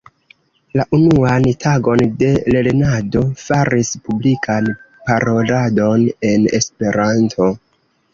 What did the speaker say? La unuan tagon de lernado faris publikan paroladon en Esperanto.